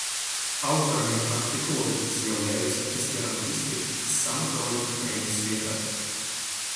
Аўтарамі артыкулаў з'яўляюцца эсперантысты з самых розных краін света.